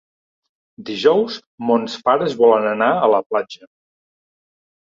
Dijous mons pares volen anar a la platja.